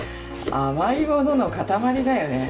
甘いものの塊だよね。